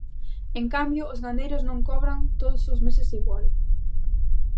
En cambio, os gandeiros non cobran todos os meses igual.